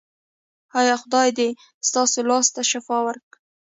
ایا خدای دې ستاسو لاس ته شفا ورکړي؟